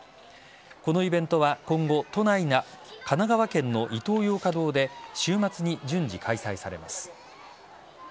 このイベントは今後、都内や神奈川県のイトーヨーカドーで週末に順次開催されます。